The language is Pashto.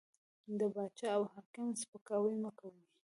د باچا او حاکم سپکاوی مه کوئ!